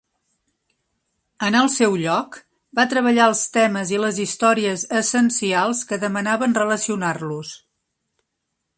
En el seu lloc, va treballar els temes i les històries essencials que demanaven relacionar-los.